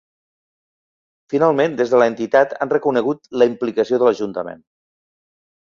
Finalment, des de l’entitat han reconegut “la implicació de l’Ajuntament”.